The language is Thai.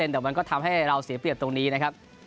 แต่มันก็ทำให้เราเสียเปรียบตรงนี้นะครับ